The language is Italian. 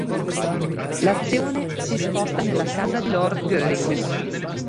L'azione si sposta nella casa di Lord Goring.